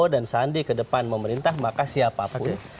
dan sandi ke depan memerintah maka siapapun